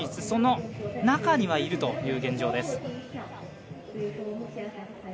その中にはいるという現状です。